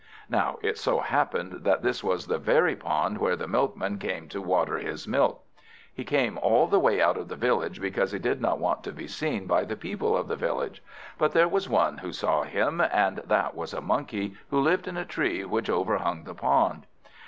Now it so happened that this was the very pond where the Milkman came to water his milk. He came all this way out of the village, because he did not want to be seen by the people of the village. But there was one who saw him; and that was a Monkey, who lived in a tree which overhung the pond.